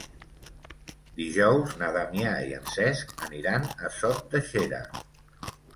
Dijous na Damià i en Cesc aniran a Sot de Xera.